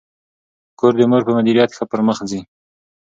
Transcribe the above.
کور د مور په مدیریت ښه پرمخ ځي.